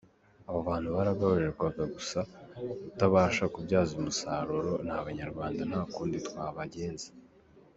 Abo bantu baragaburirwa gusa utabasha kubyaza umusaruro, ni abanyarwanda nta kundi twabagenza.